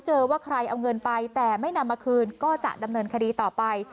ว่าใครเอาเงินไปแต่ไม่นำมาคืนก็จะดำเนินคดีต่อไป